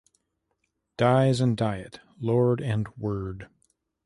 Dies and diet, lord and word